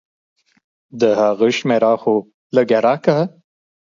د هغه شميره خو لګه راکه.